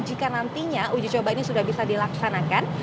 jika nantinya uji coba ini sudah bisa dilaksanakan